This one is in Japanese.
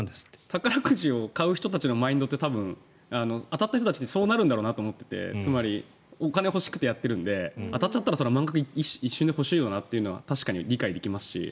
宝くじを買う人たちのマインドって当たった人たちってそうなるんだと思っていてつまりお金が欲しくてやっているので、当たったら満額一瞬で欲しいなとは確かに理解できますし。